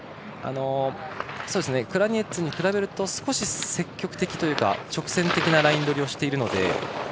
クラニェツに比べると少し積極的というか直線的なライン取りをしていて。